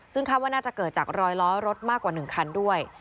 ซึ่งคาดว่าน่าจะเกิดจากรอยล้อรถมากกว่า๑คันด้วย